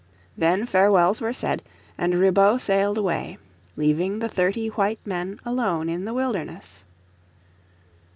Then farewells were said, and Ribaut sailed away, leaving the thirty white men alone in the wilderness.